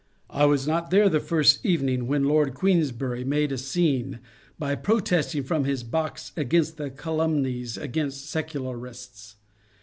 I was not there the first evening when Lord Queensberry made a scene by protesting from his box against, the calumnies against Secularists.